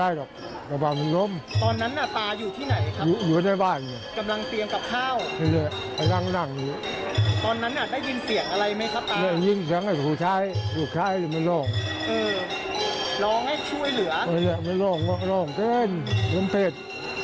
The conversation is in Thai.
ย่ายเข้าไปช่วยเหรอครับลูก